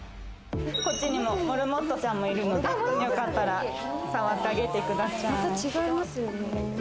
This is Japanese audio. こっちにもモルモットちゃんもいるので、よかったら触ってあげてください。